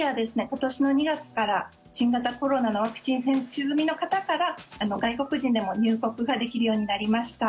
今年の２月から新型コロナのワクチン接種済みの方から外国人でも入国ができるようになりました。